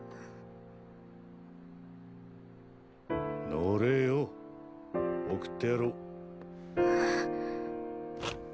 乗れよ送ってやろう。